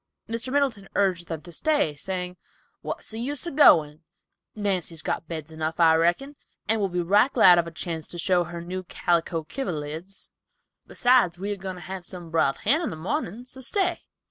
Mr. Middleton urged them to stay, saying, "What's the use of goin'? Nancy's got beds enough, I reckon, and will be right glad of a chance to show her new calico kiverlids, and besides we are goin' to have some briled hen in the morning, so stay."